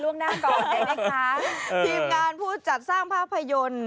ทีมงานผู้จัดสร้างภาพยนตร์